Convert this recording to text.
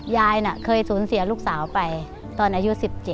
ยายน่ะเคยสูญเสียลูกสาวไปตอนอายุ๑๗